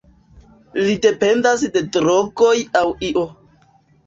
Li dependas de drogoj aŭ io.